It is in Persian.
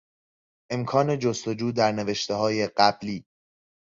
امکان جستجو در نوشتههای قبلی